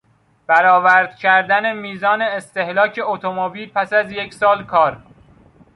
برآورد کردن میزان استهلاک اتومبیل پس از یک سال کار